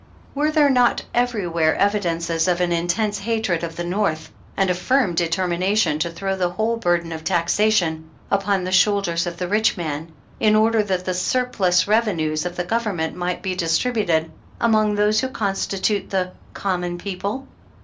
Were there not everywhere evi dences of an intense hatred of the North and a firm determination to throw the whole burden of taxation upon the shoulders of the rich man, in order that the surplus revenues of the Government might be dis tributed among those who constitute the " common people?